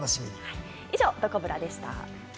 以上、どこブラでした。